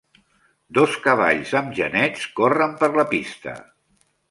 dos cavalls amb genets, corren per la pista.